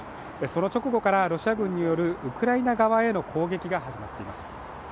その直後からロシア軍によるウクライナ側への攻撃が始まっています。